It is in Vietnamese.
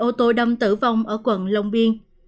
ô tô đâm tử vong ở quận long biên